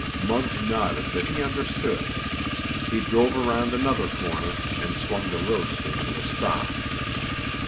Muggs nodded that he understood. He drove around another corner, and swung the roadster to a stop.